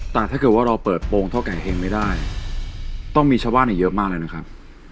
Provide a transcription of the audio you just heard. แต่ถ้าเกิดว่าเราเปิดโปรงเท่าไก่เห็งไม่ได้ต้องมีชาวบ้านอีกเยอะมากเลยนะครับ